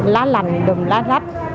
lá lành đùm lá rách